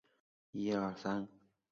利尼勒里博。